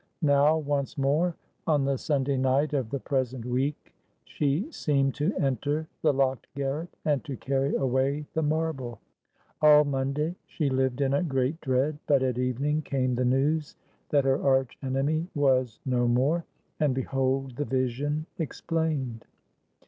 Now once more, on the Sunday night of the present week, she seemed to enter the locked garret, and to carry away the marble. All Monday she lived in a great dread, but at evening came the news that her arch enemy was no more, and behold the vision explained!